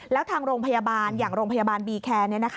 แล้วทางโรงพยาบาลอย่างโรงพยาบาลบีแคร์